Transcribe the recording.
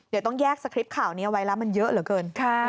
เดี๋ยวต้องแยกสคริปต์ข่าวนี้เอาไว้แล้วมันเยอะเหลือเกิน